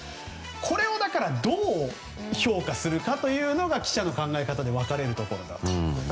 これをどう評価するかというのが記者の考え方で分かれるところだと。